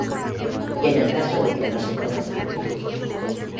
Y en el caso de que no se conozcan.